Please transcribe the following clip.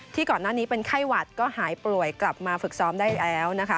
ก่อนหน้านี้เป็นไข้หวัดก็หายป่วยกลับมาฝึกซ้อมได้แล้วนะคะ